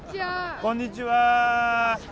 こんにちは。